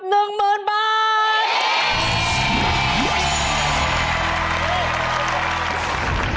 ๑หมื่นบาท